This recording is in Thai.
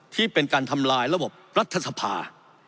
ที่เป็นการทำลายระบบรัฐสภา